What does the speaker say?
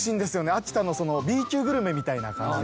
秋田のＢ級グルメみたいな感じですかね。